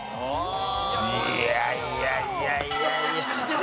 いやいやいやいやいや。